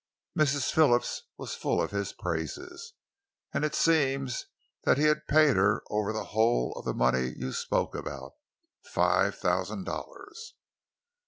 Mrs. Phillips was full of his praises, and it seems that he had paid her over the whole of the money you spoke about five thousand dollars."